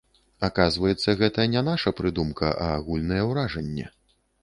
Аказваецца, гэта не наша прыдумка, а агульнае ўражанне.